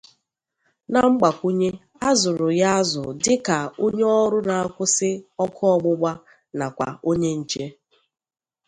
Na mgbakwunye, a zụrụ ya azụ dịka onye ọrụ na-akwusi ọkụ ọgbụgba nakwa onye nche.